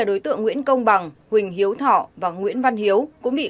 đối tượng nguyễn tìm từng có hai tiền án về tội mua bán trái phép chất ma túy và tội trộm các tài sản